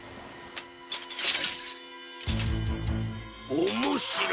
おもしろい！